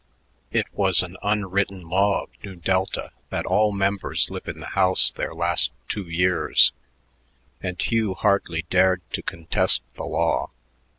It was an unwritten law of Nu Delta that all members live in the house their last two years, and Hugh hardly dared to contest the law.